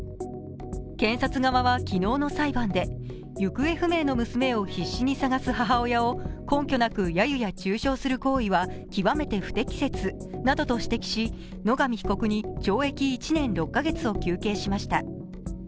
検察側は昨日の裁判で、行方不明の娘を必死に捜す母親を根拠なく、やゆや中傷する行為は極めて不適切などと指摘し野上被告に懲役１年６カ月を求刑しました。